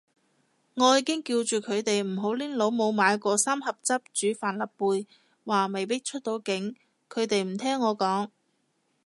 我已經叫住佢哋唔好拎老母買嗰三盒汁煮帆立貝，話未必出到境，佢哋唔聽我講